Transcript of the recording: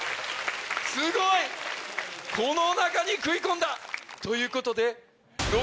すごい！この中に食い込んだ！ということで。